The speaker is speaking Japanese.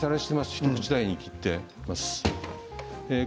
一口大に切っています。